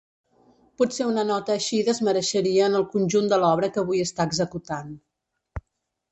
Potser una nota així desmereixeria en el conjunt de l'obra que avui està executant.